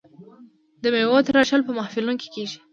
د میوو تراشل په محفلونو کې کیږي.